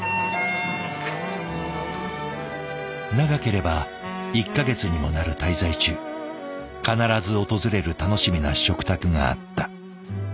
長ければ１か月にもなる滞在中必ず訪れる楽しみな食卓があった。